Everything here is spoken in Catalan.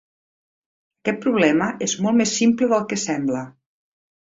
Aquest problema és molt més simple del que sembla.